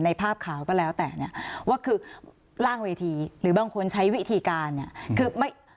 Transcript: ภาพข่าวก็แล้วแต่เนี่ยว่าคือล่างเวทีหรือบางคนใช้วิธีการเนี่ยคือไม่